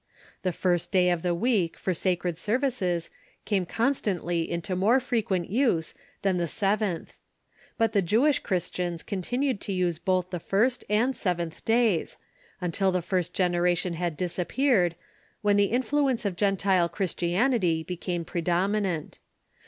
The first day of the week for sacred ser vices came constantly into more frequent use than the sev enth. But the Jewish Christians continued to use both the first and seventh days, until the first generation had disappeared, when the influence of Gentile Christianity became predomi nant.